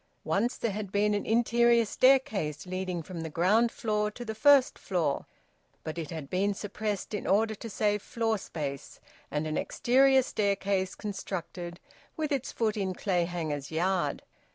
Once there had been an interior staircase leading from the ground floor to the first floor, but it had been suppressed in order to save floor space, and an exterior staircase constructed with its foot in Clayhanger's yard.